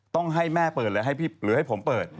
ต้องให้แม่เปิดหรือให้ผมเปิด